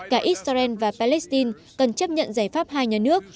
cả israel và palestine cần chấp nhận giải pháp hai nhà nước